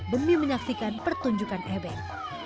bemi menyaksikan pertunjukan ebek